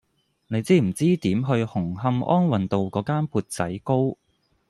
你知唔知點去紅磡安運道嗰間缽仔糕